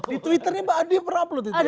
di twitternya mbak adi pernah upload itu